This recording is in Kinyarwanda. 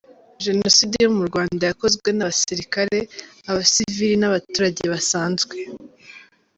Jenoside yo mu Rwanda yakozwe n’abasirikare, abasivili n‟’abaturage basanzwe.